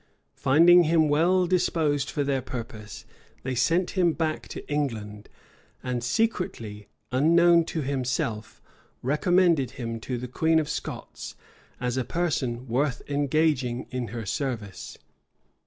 Finding him well disposed for their purpose, they sent him back to England, and secretly, unknown to himself, recommended him to the queen of Scots, as a person worth engaging in her service.